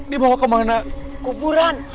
dibawa kemana kuburan